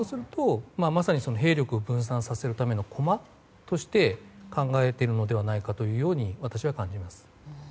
まさに兵力を分散させるための駒として考えているのではないかと私は感じます。